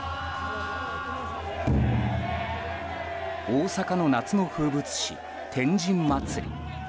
大阪の夏の風物詩、天神祭。